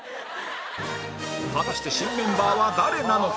果たして新メンバーは誰なのか